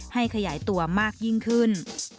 ขยายตัวมากยิ่งขึ้น